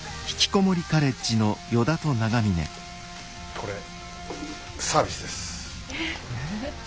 これサービスです。え？え？